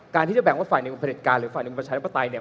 การที่จะแบ่งว่าฝ่ายในวังประเด็นการหรือฝ่ายในวังประชาธิปไตย